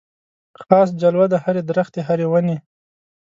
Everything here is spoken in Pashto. خاص جلوه د هري درختي هري وني